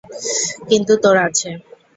কিন্তু তোর আছে।